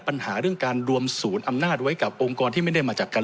ปัญหาเรื่องการรวมศูนย์อำนาจไว้กับองค์กรที่ไม่ได้มาจากการ